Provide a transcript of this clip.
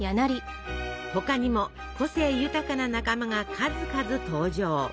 他にも個性豊かな仲間が数々登場。